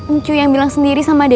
encu yang bilang sendiri sama dede